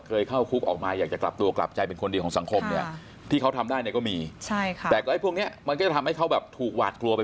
นี่เอาอีกแล้วเหมือนเข้าคุกเดี๋ยวมันก็ออกมา